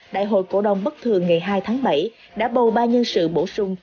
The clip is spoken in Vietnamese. đại hội cổ đồng bất thường ngày hai tháng bảy đã bầu ba nhân sự bổ sung